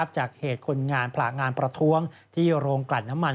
จากเหตุคนงานผลางานประท้วงที่โรงกลัดน้ำมัน